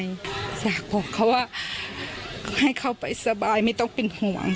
อยากบอกเขาว่าให้เขาไปสบายไม่ต้องเป็นห่วง